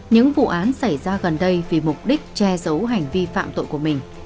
những vụ án xảy ra gần đây vì mục đích che giấu hành vi phạm tội của mình